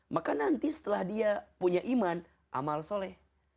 maka nanti setelah dia punya iman amal soleh